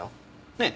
ねえ？